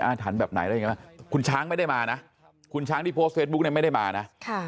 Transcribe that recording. อ้านฐานแบบไหนแล้วอย่างนี้คุณช้างไม่ได้มานะคุณช้างที่โพสต์เฟสบุ๊คไม่ได้มานะ